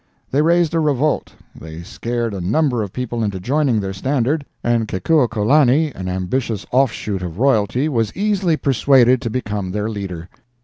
They raised a revolt; they scared a number of people into joining their standard, and Kekuokalani, an ambitious offshoot of royalty, was easily persuaded to become their leader.